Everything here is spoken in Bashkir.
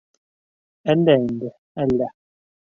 Әллә инде, әллә...